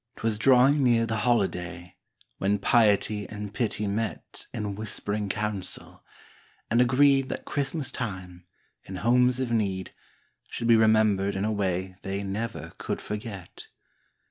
'Twas drawing near the holiday, When piety and pity met In whisp'ring council, and agreed That Christmas time, in homes of need, Should be remembered in a way They never could forget.